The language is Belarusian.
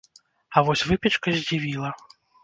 А вось выпечка здзівіла.